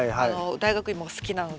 大学芋が好きなので。